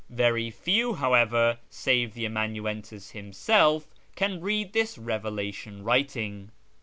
Very few, however, save the amanuensis himself, can read this "revelation writing."